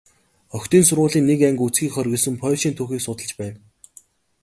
Охидын сургуулийн нэг анги үзэхийг хориглосон польшийн түүхийг судалж байв.